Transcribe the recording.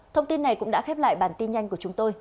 thông tin này cũng đã khép lại bản tin nhanh của chúng tôi